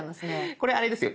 これあれですよ